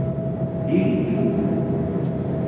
Diri-t i wul.